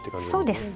そうです。